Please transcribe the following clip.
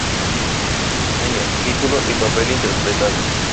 Año, título y papel interpretado.